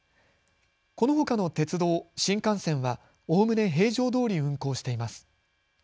このほかの鉄道、新幹線はおおむね平常どおり運行しています。